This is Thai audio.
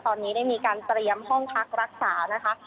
ตอนนี้ได้มีการเตรียมห้องพักรักษานะคะ